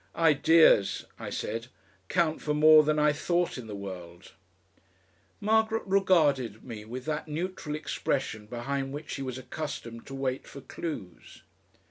"Ideas," I said, "count for more than I thought in the world." Margaret regarded me with that neutral expression behind which she was accustomed to wait for clues.